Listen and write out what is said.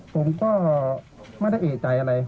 ผมก็ไม่ได้เอกใจอะไร